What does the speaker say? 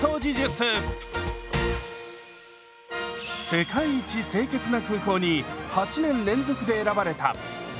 「世界一清潔な空港」に８年連続で選ばれた羽田空港。